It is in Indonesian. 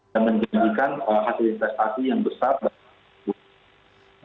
dan menjadikan hasil investasi yang besar dan beruntung